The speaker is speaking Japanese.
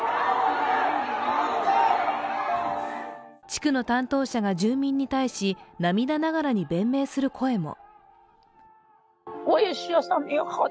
地区の担当者が住民に対し涙ながらに弁明する声も。